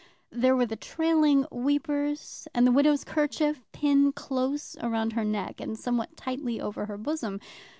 There were the trailing weepers, and the widow's kerchief pinned close round her neck and somewhat tightly over her bosom.